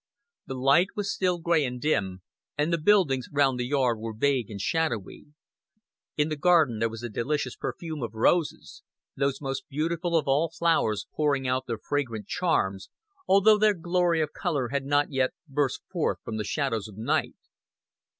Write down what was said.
The light was still gray and dim, and the buildings round the yard were vague and shadowy. In the garden there was a delicious perfume of roses those most beautiful of all flowers pouring out their fragrant charms, although their glory of color had not yet burst forth from the shadows of night.